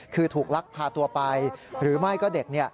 คือถูกลักพาตัวไปหรือไม่ก็เด็ก